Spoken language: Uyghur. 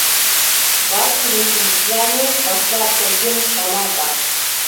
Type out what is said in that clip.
بارچە بىلسۇن بىزلەرنى، باشلاپ كەلگىن بالاڭ بار.